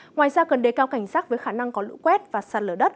ngoài ra cần đề cao cảnh giác với khả năng có lũ quét và sạt lở đất